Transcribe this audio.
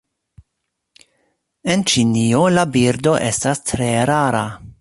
En Ĉinio la birdo estas tre rara.